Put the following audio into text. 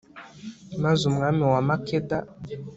maze umwami wa makeda